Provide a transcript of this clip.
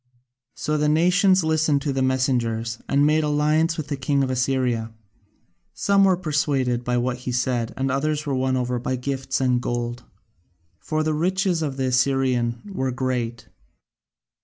So the nations listened to the messengers and made alliance with the king of Assyria: some were persuaded by what he said and others were won over by gifts and gold, for the riches of the Assyrian were great.